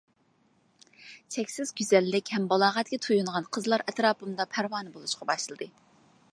چەكسىز گۈزەللىك ھەم بالاغەتكە تويۇنغان قىزلار ئەتراپىمدا پەرۋانە بولۇشقا باشلىدى.